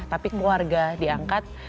tapi keluarga diangkat